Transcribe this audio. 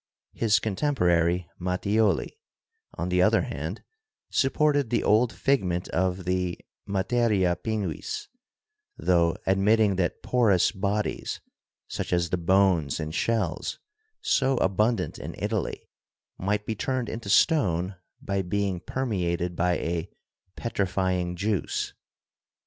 His contemporary, Mattioli, on the other hand, supported the old figment of the "materia pinguis," tho admitting that porous bodies, such as the bones and shells so abundant in Italy, might be turned into stone by being permeated by a petrifying juice.